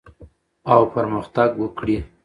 او پرمختګ وکړي